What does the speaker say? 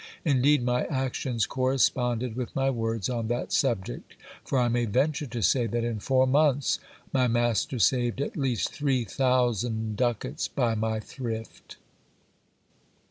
Indeed my actions corresponded with my words on that subject ; for I may venture to say that in four months my master saved at least three thousand ducats by my thrift.